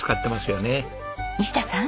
西田さん。